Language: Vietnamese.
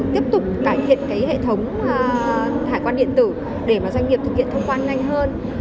tiếp tục cải thiện cái hệ thống hải quan điện tử để mà doanh nghiệp thực hiện thông quan nhanh hơn